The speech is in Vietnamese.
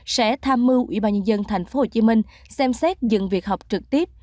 sẽ tham mưu ủy ban nhân dân thành phố hồ chí minh xem xét dừng việc học trực tiếp